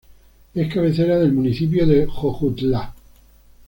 Es cabecera del municipio de Jojutla.